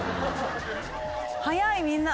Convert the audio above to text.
早いみんな。